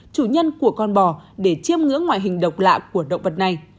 chủ nhân của con bò để chiêm ngưỡng ngoại hình độc lạ của động vật này